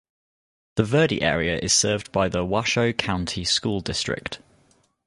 The Verdi area is served by the Washoe County School District.